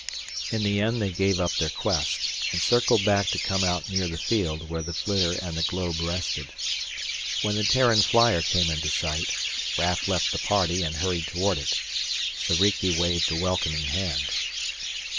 In the end they gave up their quest and circled back to come out near the field where the flitter and the globe rested. When the Terran flyer came into sight, Raf left the party and hurried toward it. Soriki waved a welcoming hand.